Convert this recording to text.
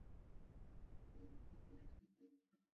kwa niamba ya mwezangu reuben lukumbuka mimi ni zuhra mwera